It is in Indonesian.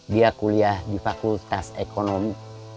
dia kuliah di fakultas ekonomi